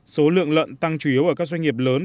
số lượng lợn tăng chủ yếu ở các doanh nghiệp lớn